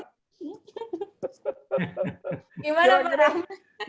gimana pak ram